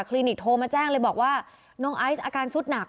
ลินิกโทรมาแจ้งเลยบอกว่าน้องไอซ์อาการสุดหนัก